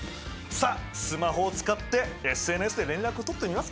さあスマホを使ってＳＮＳで連絡をとってみますかね。